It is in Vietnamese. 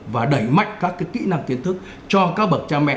và đẩy mạnh các kỹ năng kiến thức cho các bậc cha mẹ